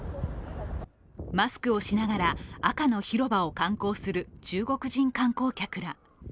マスクをしながら赤の広場を観光する中国人観光客ら。